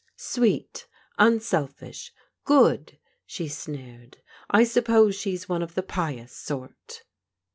"Sweet, unselfish, good!" she sneered. "I suppose she's one of the pious sort?